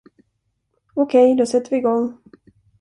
Okej, då sätter vi igång.